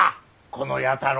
この弥太郎